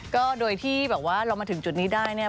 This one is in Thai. ก็โดยที่แบบว่าเรามาถึงจุดนี้ได้เนี่ย